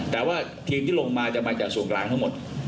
แต่ว่าทีมที่ลงมาจะมาจากส่วนกลางทั้งหมด